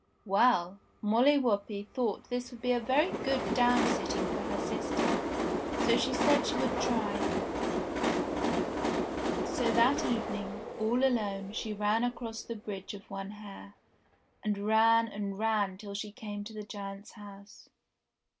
Well ! Molly Whuppie thought this would be a very good downsitting for her sister, so she said she would try. So that evening, all alone, she ran across the Bridge of One Hair, and ran and ran till she came to the giant's house.